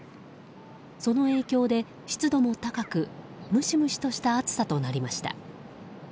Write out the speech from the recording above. その影響で湿度も高くムシムシした暑さとなりました。